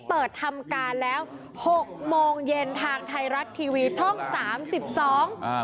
เปิดทำการแล้วหกโมงเย็นทางไทยรัฐทีวีช่องสามสิบสองอ่า